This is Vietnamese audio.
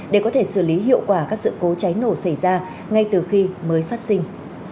để có thể xử lý hiệu quả các sự cố cháy nổ xảy ra ngay từ khi mới phát sinh